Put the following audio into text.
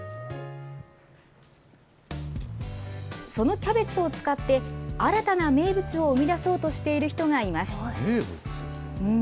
そのキャベツを使って、新たな名物を生み出そうとしている人がいます。